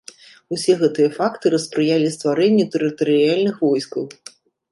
Усе гэтыя фактары спрыялі стварэнню тэрытарыяльных войскаў.